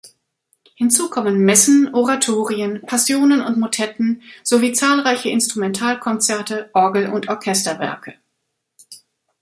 Hinzu kommen Messen, Oratorien, Passionen und Motetten, sowie zahlreiche Instrumentalkonzerte, Orgel- und Orchesterwerke.